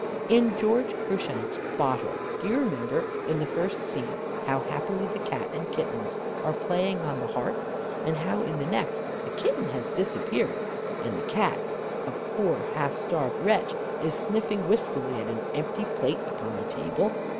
In George Cruikshank's "Bottle," do you remember in the first scene how happily the Cat and Kittens are playing on the hearth, and how in the next the kitten has disappeared, and the Cat, a poor half starved wretch, is sniffing wistfully at an empty plate upon the table?